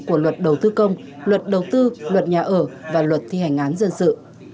của luật đầu tư công luật đầu tư luật nhà ở và luật thi hành án dân sự